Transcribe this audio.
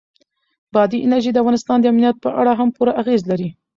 بادي انرژي د افغانستان د امنیت په اړه هم پوره اغېز لري.